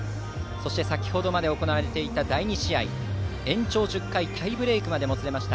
そして先程まで行われていた第２試合延長１０回タイブレークまでもつれました。